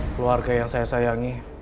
keluarga yang saya sayangi